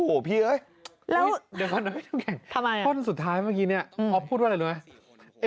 โอ้โหพี่เอ้ยแล้วเดี๋ยวก่อนนะพี่น้ำแข็งท่อนสุดท้ายเมื่อกี้เนี่ยอ๊อฟพูดว่าอะไรรู้ไหม